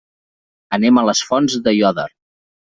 Anem a les Fonts d'Aiòder.